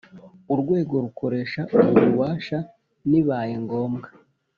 Urwego rukoresha ubu bubasha nibaye ngombwa